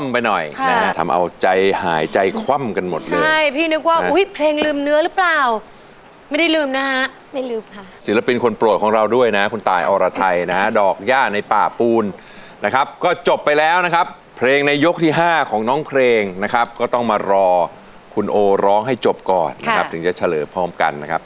พอมาปากแป๊กพวกครูเริ่มล้วงกระเป๋าตังไหมฮะ